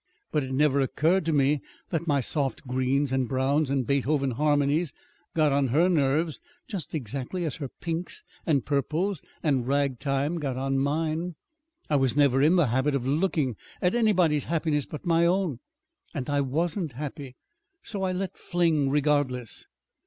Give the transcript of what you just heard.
But it never occurred to me that my soft greens and browns and Beethoven harmonies got on her nerves just exactly as her pinks and purples and ragtime got on mine. I was never in the habit of looking at anybody's happiness but my own; and I wasn't happy. So I let fling, regardless."